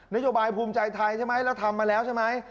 โยบายภูมิใจไทยใช่ไหมเราทำมาแล้วใช่ไหม